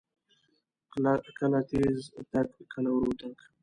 کله تیز تګ، کله ورو تګ.